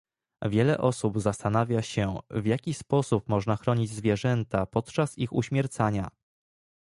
Wiele osób zastanawia się, w jaki sposób można chronić zwierzęta podczas ich uśmiercania